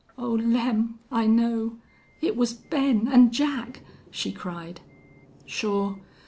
"Oh, Lem!... I know. It was Ben and Jack," she cried. "Shore.